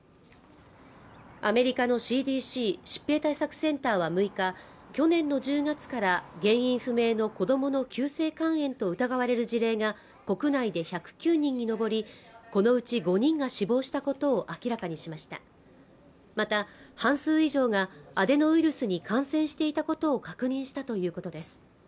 アメリカのＣＤＣ＝疾病対策センターは６日去年の１０月から原因不明の子どもの急性肝炎と疑われる事例が国内で１０９人に上りこのうち５人が死亡したことを明らかにしましたまた半数以上がアデノウイルスに感染していたことを確認したということです